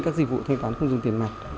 các dịch vụ thanh toán không dùng tiền mặt